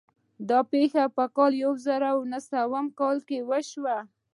دا پېښه په کال يو زر و نهه سوه کې وشوه.